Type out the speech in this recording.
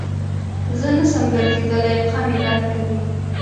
زه نسم ګرځیدلای پښه مي درد کوی.